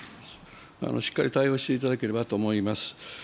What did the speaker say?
しっかり対応していただければと思います。